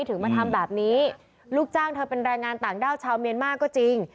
ถึงมาทำแบบนี้ลูกจ้างเธอเป็นแรงงานต่างด้าวชาวเมียนมาร์ก็จริง